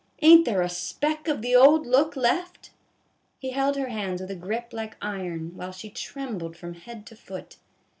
Ain't there a speck of the old look left ?" He held her hands with a grip like iron, while she trembled from head to foot.